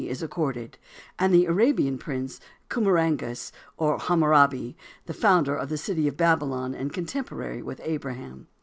is accorded, and the Arabian prince, Khammuragas, or Hammurabi, the founder of the city of Babylon and contemporary with Abraham.